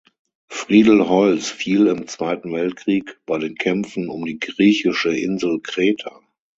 Friedel Holz fiel im Zweiten Weltkrieg bei den Kämpfen um die griechische Insel Kreta.